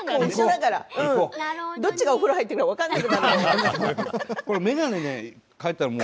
どっちがお風呂入ってるか分からなくなっちゃう。